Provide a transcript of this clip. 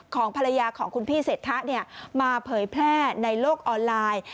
ของภรรยาของคุณพี่เศรษฐะมาเผยแพร่ในโลกออนไลน์